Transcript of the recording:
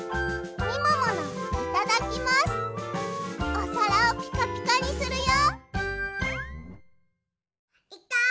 おさらをピカピカにするよ。